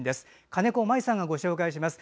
金子麻衣さんがご紹介します。